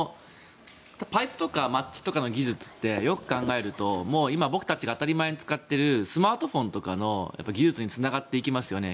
パイプとかマッチの技術ってよく考えると僕らが当たり前に使っているスマートフォンとかの技術につながっていきますよね。